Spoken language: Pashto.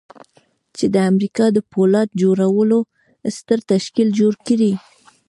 چې د امريکا د پولاد جوړولو ستر تشکيل جوړ کړي.